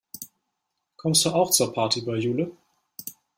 Kommst du auch zur Party bei Jule?